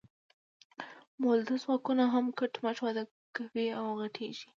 مؤلده ځواکونه هم کټ مټ وده کوي او غټیږي.